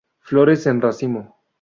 Flores en racimo.